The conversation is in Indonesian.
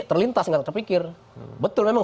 terlintas nggak terpikir betul memang